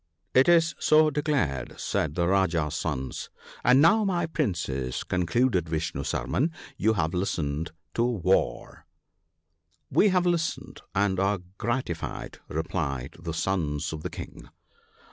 "It is so declared, " said the Rajah's sons. "And now, my Princes," concluded Vishnu Sarman r " you have listened to * War/ "" We have listened, and are gratified," replied the sons of the King.